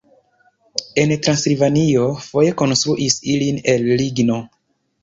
En Transilvanio foje konstruis ilin el ligno.